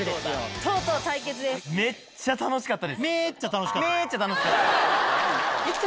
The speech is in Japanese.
めっちゃ楽しかった？